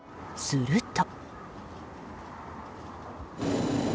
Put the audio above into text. すると。